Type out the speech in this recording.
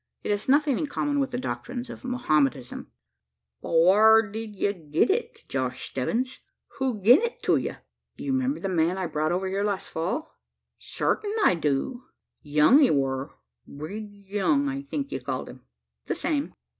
It has nothing in common with the doctrines of Mohammedanism." "But whar did you get it, Josh Stebbins? Who gin it to you?" "You remember the man I brought over here last fall?" "Sartint I do. Young he wur Brig Young, I think, you called him." "The same."